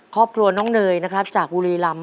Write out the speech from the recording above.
ครอบครัวน้องเนยนะครับจากบุรีรำ